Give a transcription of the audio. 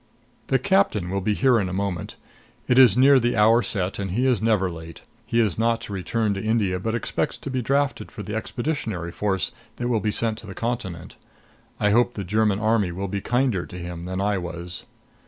The captain will be here in a moment. It is near the hour set and he is never late. He is not to return to India, but expects to be drafted for the Expeditionary Force that will be sent to the Continent. I hope the German Army will be kinder to him than I was!